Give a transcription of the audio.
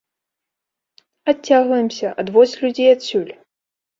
Адцягваемся, адводзь людзей адсюль!